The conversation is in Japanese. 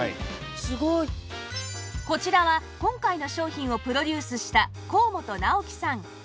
こちらは今回の商品をプロデュースした高本尚紀さん